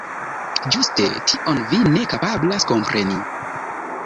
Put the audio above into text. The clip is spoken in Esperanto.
Ĝuste tion vi ne kapablas kompreni...